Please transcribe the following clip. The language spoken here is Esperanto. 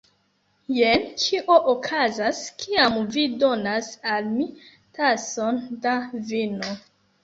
Jen kio okazas kiam vi donas al mi tason da vino